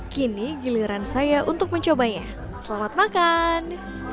kini giliran saya untuk mencobanya selamat makan